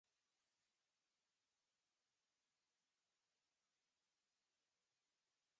毕业于山东农业大学农学专业。